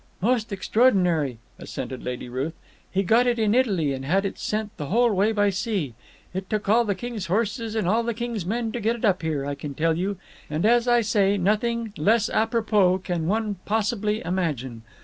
"Most extraordinary," assented Lady Ruth. "He got it in Italy and had it sent the whole way by sea. It took all the king's horses and all the king's men to get it up here, I can tell you. And, as I say, nothing less apropos can one possibly imagine.